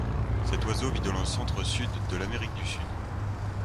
Cet oiseau vit dans le centre-sud de l'Amérique du Sud.